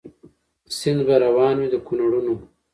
سیند به روان وي د کونړونو